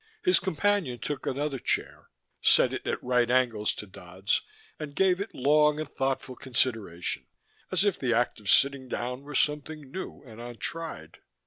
His companion took another chair, set it at right angles to Dodd's and gave it long and thoughtful consideration, as if the act of sitting down were something new and untried.